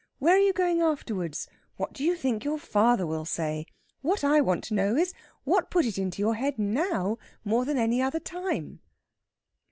"Where are you going afterwards?" "What do you think your father will say?" "What I want to know is, what put it into your head now, more than any other time?"